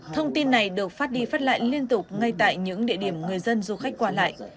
thông tin này được phát đi phát lại liên tục ngay tại những địa điểm người dân du khách qua lại